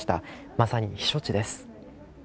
まさに避暑地です。